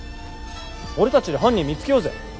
俺たちで犯人見つけようぜ。